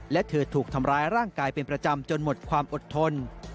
และเธอถูกทำร้ายร่างกายเป็นประจำจนหมดความอดทน